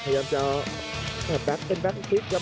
พยายามจะแบทเป็นแบตคลิกครับ